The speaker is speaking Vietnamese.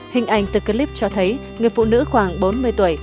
hình ảnh từ clip cho thấy người phụ nữ khoảng bốn mươi tuổi